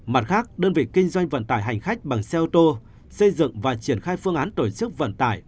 mặt khác đơn vị kinh doanh vận tải hành khách bằng xe ô tô xây dựng và triển khai phương án tổ chức vận tải